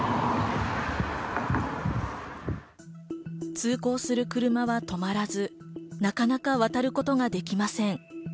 通行する車は止まらず、なかなか渡ることができません。